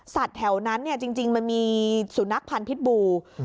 สัตว์แถวนั้นเนี่ยจริงมันมีสุนัขพันธุ์พิษบูรณ์